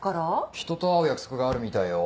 人と会う約束があるみたいよ。